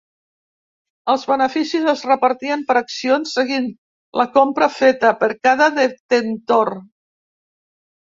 Els beneficis es repartien per accions seguint la compra feta per cada detentor.